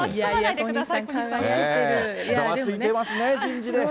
小西さん、ざわついていますね、人事で。